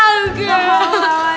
tahan sobri tahan